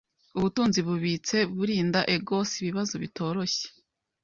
ubutunzi bubitse burinda egos ibibazo bitoroshye